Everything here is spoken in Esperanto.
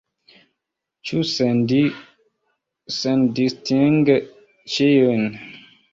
Ĉu sendistinge ĉiujn?